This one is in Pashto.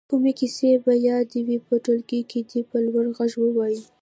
کومې کیسې په یاد وي په ټولګي کې دې په لوړ غږ ووايي.